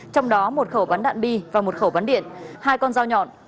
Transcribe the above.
trong đó một khẩu bắn đạn bi và một khẩu bắn điện hai con dao nhọn